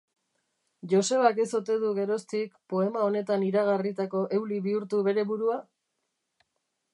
Josebak ez ote du geroztik, poema honetan iragarritako euli bihurtu bere burua?